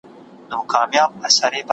هغه خپل مبایل په ډېرې غوسې سره بند کړ.